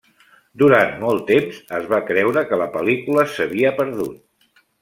Durant molt temps es va creure que la pel·lícula s'havia perdut.